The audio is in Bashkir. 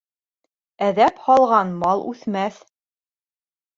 Әҙәп һалған мал үҫмәҫ